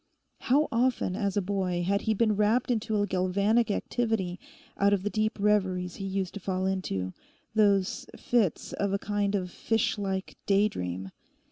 How often as a boy had he been rapped into a galvanic activity out of the deep reveries he used to fall into—those fits of a kind of fishlike day dream.